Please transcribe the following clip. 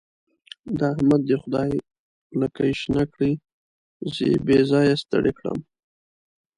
د احمد دې خدای لکۍ شنه کړي؛ زه يې بې ځايه ستړی کړم.